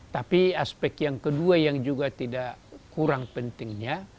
tapi aspek yang kedua yang juga tidak kurang pentingnya